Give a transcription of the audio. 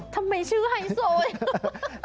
ทำไมชื่อไฮโซย